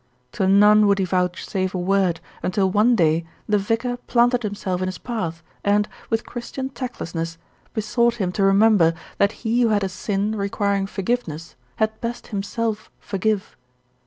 To none would he vouchsafe a word until one day the vicar planted himself in his path and, with Chris THE VICAR DECIDES TO ACT 63 tian tactlessness, besought him to remember that he who had a sin requiring forgiveness had best himself forgive.